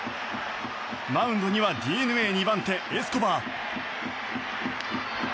マウンドにはＤｅＮＡ２番手、エスコバー。